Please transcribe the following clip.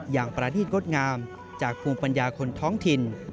อย่างประนีตงดงามจากภูมิปัญญาคนท้องถิ่น